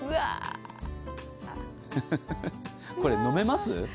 これ、飲めます？